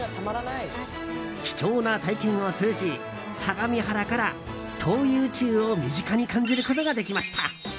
貴重な体験を通じ、相模原から遠い宇宙を身近に感じることができました。